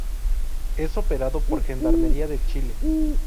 Es operado por Gendarmería de Chile.